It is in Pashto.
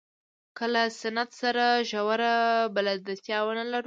که له سنت سره ژوره بلدتیا ونه لرو.